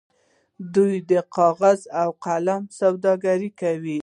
دوی د کاغذ او قلم سوداګري کوي.